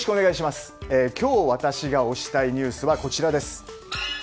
今日私が推したいニュースはこちらです。